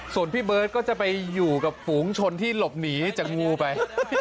ส่วนพี่เบิร์ตก็จะไปอยู่กับฝูงชนที่หลบหนีจากงูไป